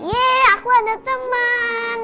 yeay aku ada teman